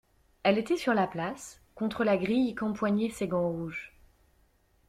Elle était sur la place, contre la grille qu'empoignaient ses gants rouges.